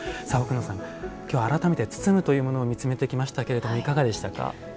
奥野さん、きょう改めて包むというものを見つめてきましたがいかがでしたか？